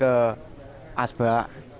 terus kembali ke asbak